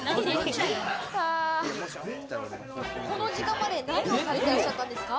この時間まで何をされてらっしゃったんですか？